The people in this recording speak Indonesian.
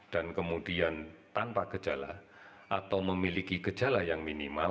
dan kemudian tanpa gejala atau memiliki gejala yang minimal